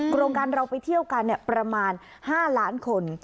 โครงการเราไปเที่ยวกันประมาณ๕ล้านคน